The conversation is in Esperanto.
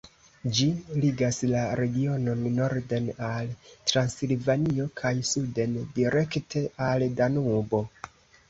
Ĝi ligas la regionon norden al Transilvanio kaj suden direkte al Danubo.